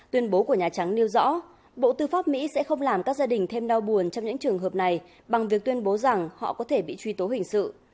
tuyên bố của nhà trắng nêu rõ bộ tư pháp mỹ sẽ không làm các gia đình thêm đau buồn trong những trường hợp này bằng việc tuyên bố rằng họ có thể bị truy tố hình sự